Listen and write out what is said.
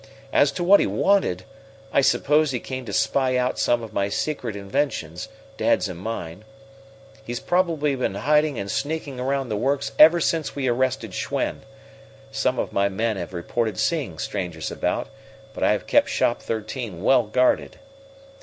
"As to what he wanted, I suppose he came to spy out some of my secret inventions dad's and mine. He's probably been hiding and sneaking around the works ever since we arrested Schwen. Some of my men have reported seeing strangers about, but I have kept Shop Thirteen well guarded.